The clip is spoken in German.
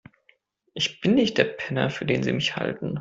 Ich bin nicht der Penner, für den Sie mich halten.